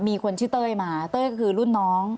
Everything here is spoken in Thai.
มีคนชื่อเต้ยมาเต้ยก็คือรุ่นน้อง